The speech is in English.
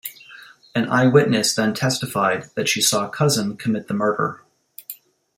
An eyewitness then testified that she saw Cousin commit the murder.